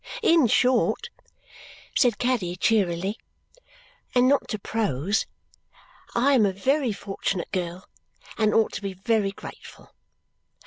In short," said Caddy cheerily, "and not to prose, I am a very fortunate girl and ought to be very grateful.